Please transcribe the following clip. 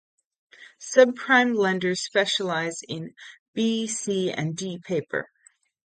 Subprime lenders specialize in B, C, and D paper.